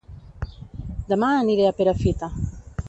Dema aniré a Perafita